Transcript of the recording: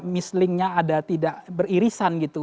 mislingnya ada tidak beririsan gitu